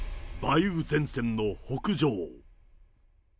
梅雨前線の北上。